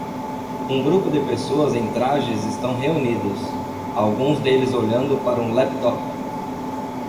Um grupo de pessoas em trajes estão reunidos, alguns deles olhando para um laptop.